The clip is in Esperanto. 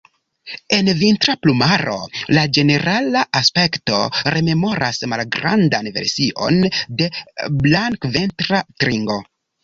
En vintra plumaro, la ĝenerala aspekto rememoras malgrandan version de Blankventra tringo.